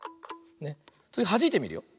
つぎはじいてみるよ。